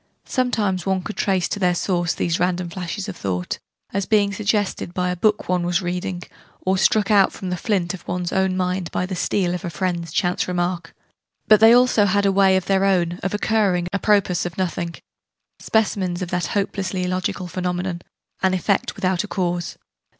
Sometimes one could trace to their source these random flashes of thought as being suggested by the book one was reading, or struck out from the 'flint' of one's own mind by the 'steel' of a friend's chance remark but they had also a way of their own, of occurring, a propos of nothing specimens of that hopelessly illogical phenomenon, 'an effect without a cause.'